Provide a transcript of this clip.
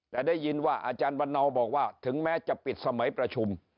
แต่ได้ยินว่าอาจารย์วันเนาบอกว่าถึงแม้จะปิดสมัยประชุม